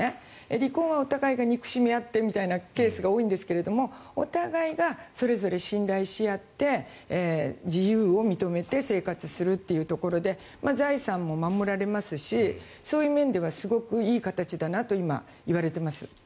離婚はお互いが憎しみ合ってみたいなケースが多いんですけれどもお互いがそれぞれ信頼し合って自由を認めて生活するっていうところで財産も守られますしそういう面ではすごくいい形だといわれています。